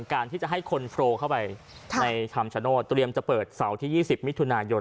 การที่จะให้คนโผล่เข้าไปในคำชโนธเตรียมจะเปิดเสาร์ที่๒๐มิถุนายน